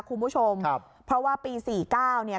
คุณผู้ชมครับเพราะว่าปีสี่เก้าเนี่ย